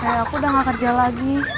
sayang aku udah nggak kerja lagi